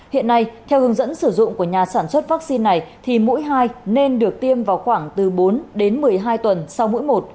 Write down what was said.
hiện nay theo hướng dẫn sử dụng của nhà sản xuất vaccine này thì mũi hai nên được tiêm vào khoảng từ bốn đến một mươi hai tuần sau mỗi một